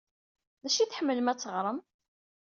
D acu ay tḥemmlem ad teɣrem?